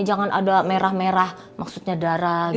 jangan ada merah merah maksudnya darah gitu